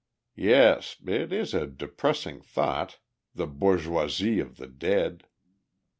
Yes! it is a depressing thought the bourgeoisie of the dead!